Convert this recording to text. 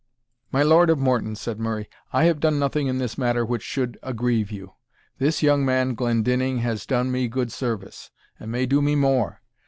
"My Lord of Morton," said Murray, "I have done nothing in this matter which should aggrieve you. This young man Glendinning has done me good service, and may do me more.